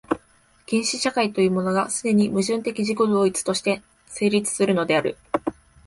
原始社会というものが、既に矛盾的自己同一として成立するのである。